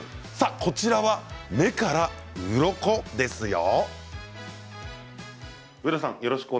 こちらは目からうろこですよ。